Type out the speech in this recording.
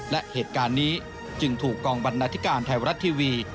และเหตุการณ์นี้จึงถูกกองบรรณาธิการไทยรัฐทีวี